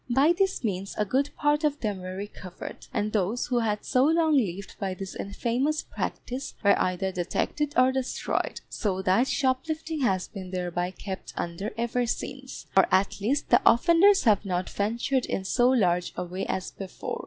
By this means a good part of them were recovered, and those who had so long lived by this infamous practice were either detected or destroyed; so that shoplifting has been thereby kept under ever since, or at least the offenders have not ventured in so large a way as before.